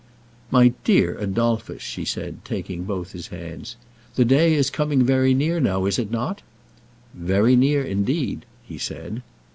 "My dear Adolphus," she said, taking both his hands, "the day is coming very near now; is it not?" "Very near, indeed," he said.